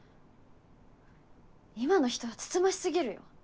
今の人はつつましすぎるよ。